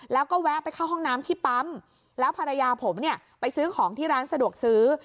แล้วก็แวะไปเข้าห้องน้ำที่ปั๊มแล้วภรรยาผมเนี่ยไปซื้อของที่ร้านสะดวกซื้อ